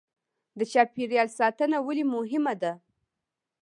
د چاپیریال ساتنه ولې مهمه ده